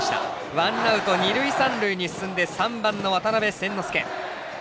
ワンアウト、二塁三塁に進んで３番の渡邉千之亮。